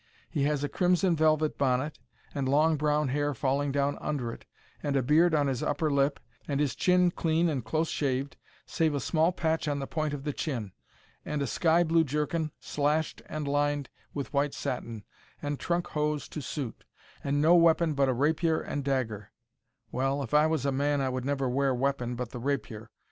He has a crimson velvet bonnet, and long brown hair falling down under it, and a beard on his upper lip, and his chin clean and close shaved, save a small patch on the point of the chin, and a sky blue jerkin slashed and lined with white satin, and trunk hose to suit, and no weapon but a rapier and dagger Well, if I was a man, I would never wear weapon but the rapier!